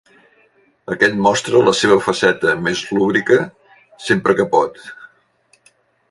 Aquest mostra la seva faceta més lúbrica, sempre que pot.